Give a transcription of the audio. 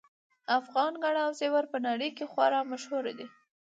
افغان ګاڼه او زیور په نړۍ کې خورا مشهور دي